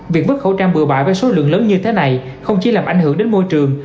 việc vứt khẩu trang bựa bại với số lượng lớn như thế này không chỉ làm ảnh hưởng đến môi trường